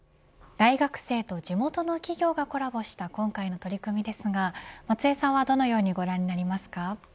大学生と地元の企業がコラボした今回の取り組みですが松江さんはどのようにご覧になりますか。